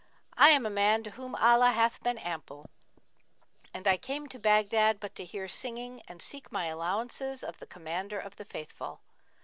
I am a man to whom Allah hath been ample and I came to Baghdad but to hear singing and seek my allowances of the Commander of the Faithful.